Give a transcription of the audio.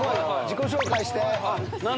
自己紹介して！